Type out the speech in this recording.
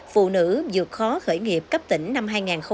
phụ nữ dược khó khởi nghiệp cấp tỉnh năm hai nghìn hai mươi